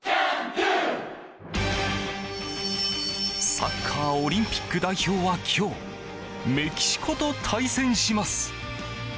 サッカーオリンピック代表は今日メキシコと対戦します。